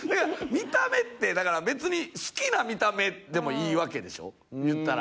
見た目ってだから別に好きな見た目でもいいわけでしょ言ったら。